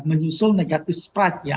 menyusul negatif spread ya